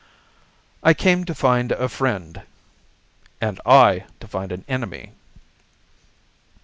"I came to find a friend." "And I to find an enemy."